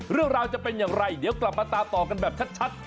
เรื่องราวจะเป็นอย่างไรเดี๋ยวกลับมาตามต่อกันแบบชัด